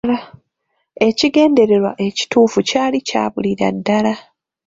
Ekigendererwa ekituufu kyali kyabulira ddala.